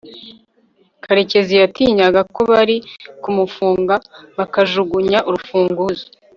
karekezi yatinyaga ko bari kumufunga bakajugunya urufunguzo